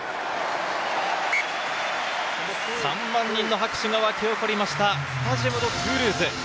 ３万人の拍手がわき起こりました、スタジアム・ド・トゥールーズ。